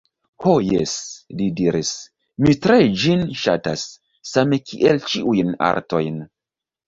Ho jes, li diris, mi tre ĝin ŝatas, same kiel ĉiujn artojn.